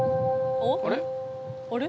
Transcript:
あれ？